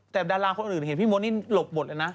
แต่ดาราคนอื่นเห็นพี่มดนี่หลบหมดเลยนะ